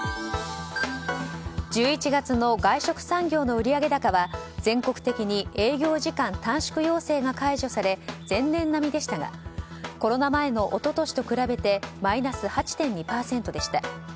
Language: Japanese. １１月の外食産業の売上高は全国的に営業時間短縮要請が解除され前年並みでしたがコロナ前の一昨年と比べてマイナス８．２％でした。